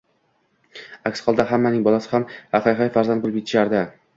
Aks holda, hammaning bolasi ham haqiqiy farzand bo'lib yetishardi.